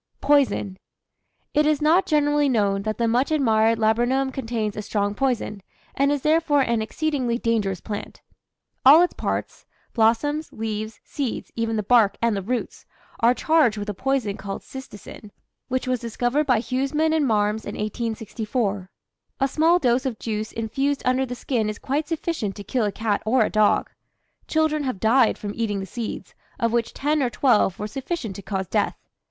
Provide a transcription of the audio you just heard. POISON. It is not generally known that the much admired laburnum contains a strong poison, and is therefore an exceedingly dangerous plant. All its parts blossoms, leaves, seeds, even the bark and the roots are charged with a poison named cytisin, which was discovered by Husemann and Marms in 1864. A small dose of juice infused under the skin is quite sufficient to kill a cat or a dog. Children have died from eating the seeds, of which ten or twelve were sufficient to cause death.